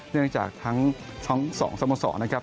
เนื่องจากทั้ง๒สโมสรนะครับ